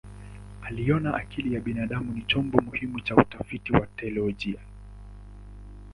Aliona akili ya binadamu ni chombo muhimu cha utafiti wa teolojia.